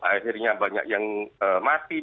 akhirnya banyak yang mati